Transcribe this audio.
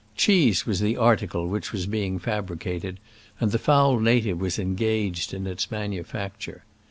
Cheese was the article which was being fabricated, and the foul native was engaged in its manu facture.